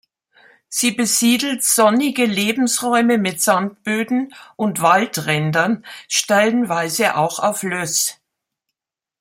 Sie besiedelt sonnige Lebensräume mit Sandböden und Waldränder, stellenweise auch auf Löss.